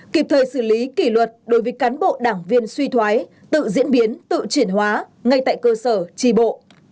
kịp thời xử lý kỷ luật đối với cán bộ đảng viên suy thoái tự diễn biến tự chuyển hóa ngay tại cơ sở trì bộ